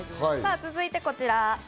続いてこちら。